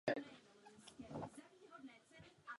Samotná nařízení nestačí.